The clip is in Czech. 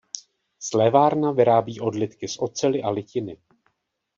Slévárna vyrábí odlitky z oceli a litiny.